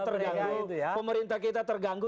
terganggu pemerintah kita terganggu